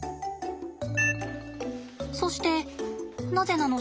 そしてなぜなの？